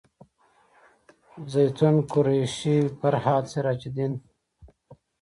زیتونه قریشي فرهاد سراج الدین